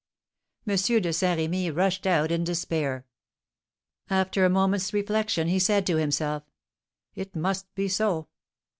'" M. de Saint Remy rushed out in despair. After a moment's reflection he said to himself, "It must be so!"